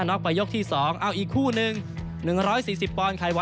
นกไปยกที่สองเอาอีกคู่หนึ่งหนึ่งร้อยสี่สิบปลไขว